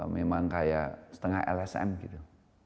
memang kayak setengah lsm gitu